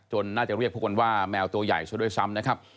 น่าจะเรียกพวกมันว่าแมวตัวใหญ่ซะด้วยซ้ำนะครับ